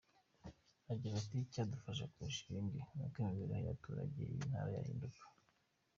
Agira ati : "Icyadufasha kurusha ibindi n’uko imibereho y’abatuye iyi ntara yahinduka.